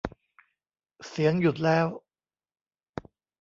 เสียงหยุดแล้ว